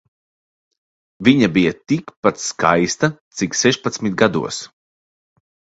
Viņa bija tikpat skaista cik sešpadsmit gados.